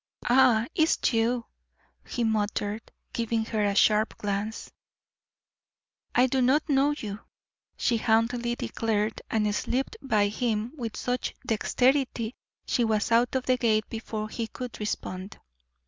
"Ah, it's you," he muttered, giving her a sharp glance. "I do not know you," she haughtily declared, and slipped by him with such dexterity she was out of the gate before he could respond.